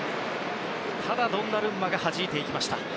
ただ、ドンナルンマがはじいていきました。